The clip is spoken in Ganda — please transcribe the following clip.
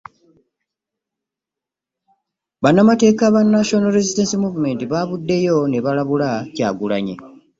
Bannamateeka ba National Resistance Movement baavuddeyo ne balabula Kyagulanyi